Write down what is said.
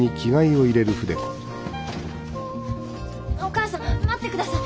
お母さん待ってください。